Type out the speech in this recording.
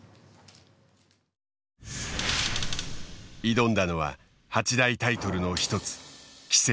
挑んだのは八大タイトルの一つ棋聖。